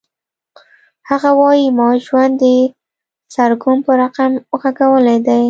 هغه وایی ما ژوند د سرګم په رقم غږولی دی